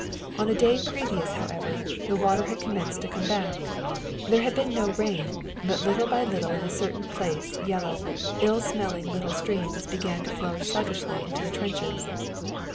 On a day previous, however, the water had commenced to come back. There had been no rain, but little by little in a certain place yellow, ill smelling little streams began to flow sluggishly into the trenches.